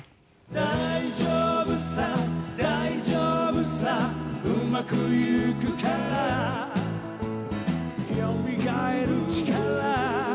「大丈夫さ大丈夫さ」「うまくゆくから」「よみがえる力」